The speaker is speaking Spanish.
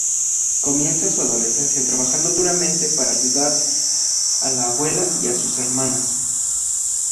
Comienza su adolescencia trabajando duramente para ayudar a su abuela y a sus hermanas.